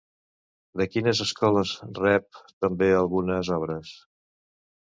De quines escoles rep també algunes obres?